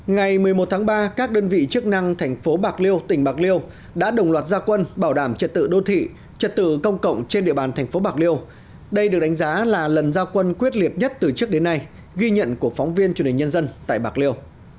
ngày một mươi một tháng ba các đơn vị chức năng thành phố bạc liêu tỉnh bạc liêu đã đồng loạt gia quân bảo đảm trật tự đô thị trật tự công cộng trên địa bàn thành phố bạc liêu đây được đánh giá là lần giao quân quyết liệt nhất từ trước đến nay ghi nhận của phóng viên truyền hình nhân dân tại bạc liêu